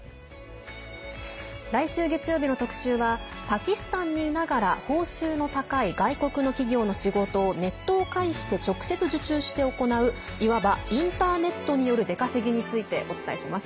来週、月曜日の特集はパキスタンにいながら報酬の高い外国の企業の仕事をネットを介して直接受注して行ういわばインターネットによる出稼ぎについてお伝えします。